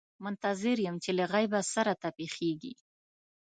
منتظر یم چې له غیبه څه راته پېښېږي.